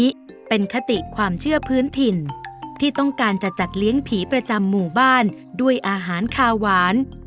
นี้เป็นคติความเชื่อพื้นถิ่นที่ต้องการจะจัดเลี้ยงผีประจำหมู่บ้านด้วยอาหารคาหวาน